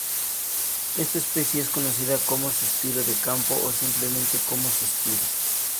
Esta especie es conocida como 'Suspiro de campo' o simplemente como 'Suspiro'.